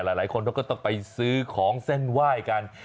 หลายคนเขาก็ต้องไปซื้อของเส้นไหว้กัน